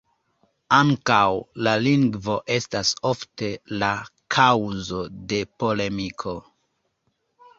Ankaŭ la lingvo estas ofte la kaŭzo de polemiko.